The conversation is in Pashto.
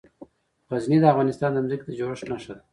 غزني د افغانستان د ځمکې د جوړښت نښه ده.